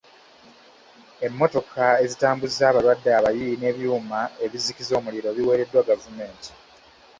Emmotoka ezitambuza abalwadde abayi n'ebyuma ebizikiza omuliro biweereddwa gavumenti.